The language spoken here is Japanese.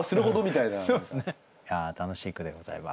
いや楽しい句でございます。